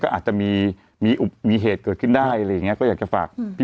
ก็อาจจะมีเหตุเกิดขึ้นได้